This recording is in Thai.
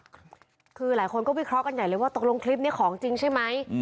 คือหลายคนก็วิเคราะห์กันใหญ่เลยว่าตกลงคลิปนี้ของจริงใช่ไหม